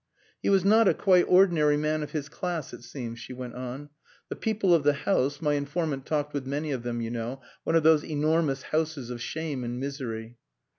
"He was not a quite ordinary man of his class it seems," she went on. "The people of the house my informant talked with many of them you know, one of those enormous houses of shame and misery...."